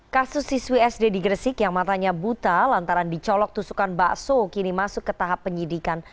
kasus siswi sd di gresik yang matanya buta lantaran dicolok tusukan bakso kini masuk ke tahap penyidikan